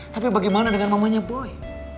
tapi bagaimana dengan mamanya boy